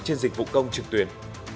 trên dịch vụ công trực tuyển